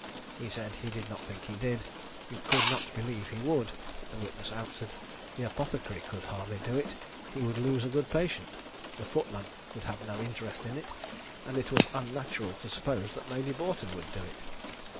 He said he did not think he did he could not believe he would. The witness answered, "the apothecary could hardly do it he would lose a good patient; the footman could have no interest in it; and it was unnatural to suppose that Lady Boughton would do it."